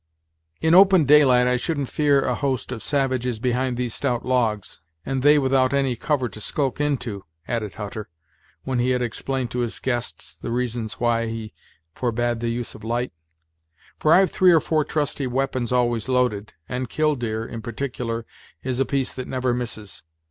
"In open daylight I shouldn't fear a host of savages behind these stout logs, and they without any cover to skulk into," added Hutter, when he had explained to his guests the reasons why he forbade the use of light; "for I've three or four trusty weapons always loaded, and Killdeer, in particular, is a piece that never misses.